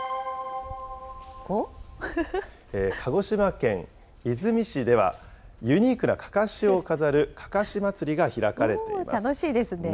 鹿児島県出水市では、ユニークなかかしを飾るかかし祭りが開かれ楽しいですね。